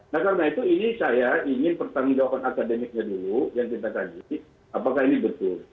nah karena itu ini saya ingin pertanggung jawaban akademiknya dulu yang kita kaji apakah ini betul